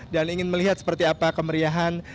dan ingin melihat seperti apa kemeriahan